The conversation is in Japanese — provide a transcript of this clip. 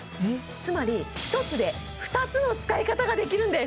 つまり１つで２つの使い方ができるんです